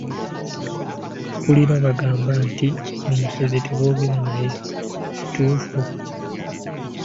Mpulira bagamba nti omusezi teboogera naye, Kituufu?